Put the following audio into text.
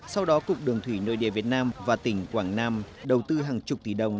sau đó cục đường thủy nội địa việt nam và tỉnh quảng nam đầu tư hàng chục tỷ đồng